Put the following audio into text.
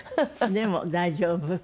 でもう大丈夫？